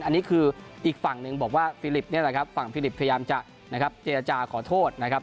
อันนี้คืออีกฝั่งหนึ่งบอกว่าฟิลิปนี่แหละครับฝั่งฟิลิปพยายามจะนะครับเจรจาขอโทษนะครับ